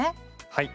はい。